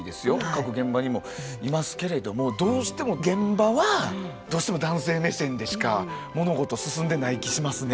各現場にもいますけれどもどうしても現場はどうしても男性目線でしか物事進んでない気しますね。